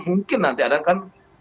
mungkin nanti ada kan